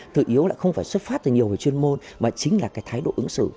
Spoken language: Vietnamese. tự yếu là không phải xuất phát từ nhiều chuyên môn mà chính là cái thái độ ứng xử